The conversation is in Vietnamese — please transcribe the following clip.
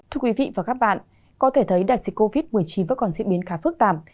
thưa quý vị và các bạn có thể thấy đại dịch covid một mươi chín vẫn còn diễn biến khá phức tạp